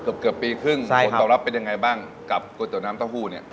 เกือบปีครึ่งผลตอบรับเป็นยังไงบ้างกับก๋วยเตี๋ยวน้ำเต้าหู้เนี่ย